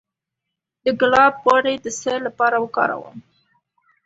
د ګلاب غوړي د څه لپاره وکاروم؟